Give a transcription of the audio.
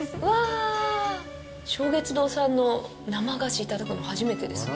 松月堂さんの生菓子いただくの初めてですね。